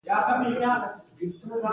د اسهال او کانګو لپاره د او ار اس اوبه وڅښئ